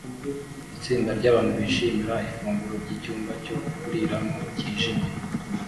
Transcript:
Itsinda ryabantu bishimira ifunguro ryicyumba cyo kuriramo cyijimye